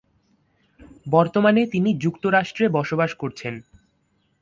বর্তমানে তিনি যুক্তরাষ্ট্রে বসবাস করছেন।